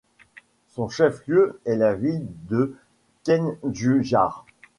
Son chef-lieu est la ville de Kendujhar.